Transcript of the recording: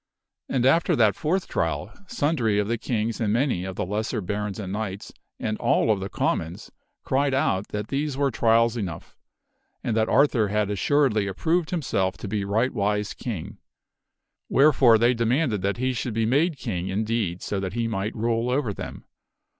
And, after that fourth trial, sundry of the kings and many of the lesser barons and knights and all of the commons cried out that these were trials enough, and that Arthur had assuredly approved himself to be rightwise King; wherefore they demanded that he should be made King indeed so that he might rule over them.